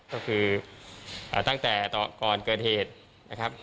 ก็คือตั้งแต่ก่อนเกิดเหตุนะครับ